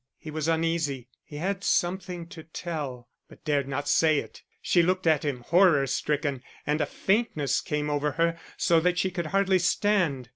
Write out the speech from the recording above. He was uneasy, he had something to tell, but dared not say it; she looked at him, horror stricken, and a faintness came over her so that she could hardly stand.